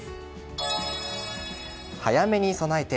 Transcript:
早めに備えて。